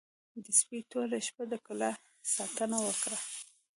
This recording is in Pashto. د سپي ټوله شپه د کلا ساتنه وکړه.